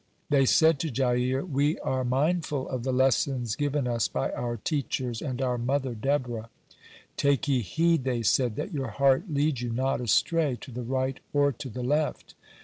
(104) They said to Jair: "We are mindful of the lessons given us by our teachers and our mother Deborah. 'Take ye heed,' they said, 'that your heart lead you not astray to the right or to the left.